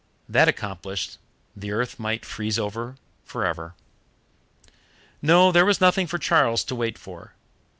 That accomplished, the earth might freeze over her for ever. No, there was nothing for Charles to wait for.